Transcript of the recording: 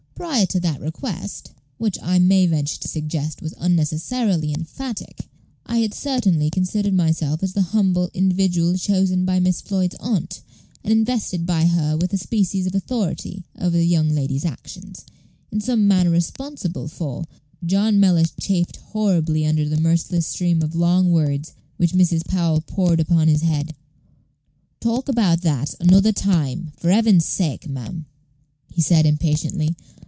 Prior to that request, which I may venture to suggest was unnecessarily emphatic, I had certainly considered myself as the humble individual chosen by Miss Floyd's aunt, and invested by her with a species of authority over the young lady's actions, in some manner responsible for " John Mellish chafed horribly under the merciless stream of long words which Mrs. Powell poured upon his head. "Talk about that at another time, for Heaven's sake, ma'am," he said, impatiently.